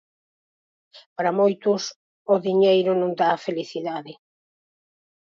Para moitos, o diñeiro non dá a felicidade.